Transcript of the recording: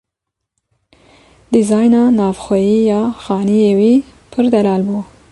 Dîzayna navxweyî ya xaniyê wî pir delal bû.